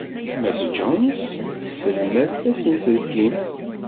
Mass Jones tesselmad tasenselkimt.